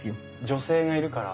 女性がいるから？